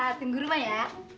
ya udah lah tunggu rumah ya